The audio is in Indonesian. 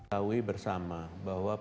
kami bersama bahwa pengguna